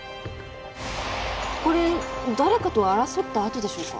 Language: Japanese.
これ誰かと争った痕でしょうか？